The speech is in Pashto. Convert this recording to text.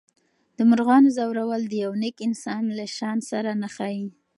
د مرغانو ځورول د یو نېک انسان له شان سره نه ښایي.